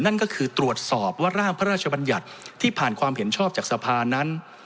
นั่นก็คือตรวจสอบว่าร่างพระราชบัญญัติที่ผ่านความเห็นชอบจากสภานั้น